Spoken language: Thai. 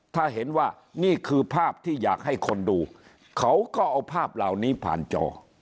ถ้าเห็นว่านี่คือภาพที่อยากให้คนดูเขาก็เอาภาพเหล่านี้ผ่านจอ